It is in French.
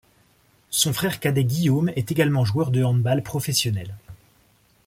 Son frère cadet Guillaume est également joueur de handball professionnel.